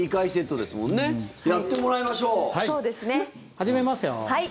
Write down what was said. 始めますよ。